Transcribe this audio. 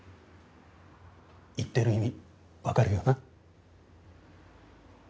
言ってる意味わかるよな？